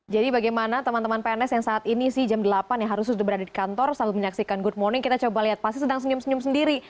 jadi bagaimana teman teman pns yang saat ini sih jam delapan ya harus sudah berada di kantor selalu menyaksikan good morning kita coba lihat pasti sedang senyum senyum sendiri